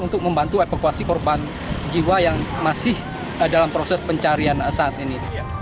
untuk membantu evakuasi korban jiwa yang masih dalam proses pencarian saat ini